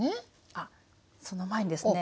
あっその前にですね